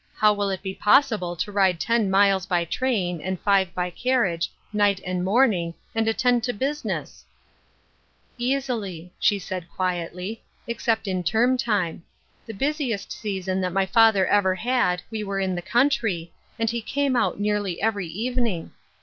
How will it be possible to ride ten miles by train, and five by carriage, night and morning, and attend to business ?"" Easily," she said, quietly ;" except in term time. The busiest season that my father ever had we were in the country, and he came out nearly every evening.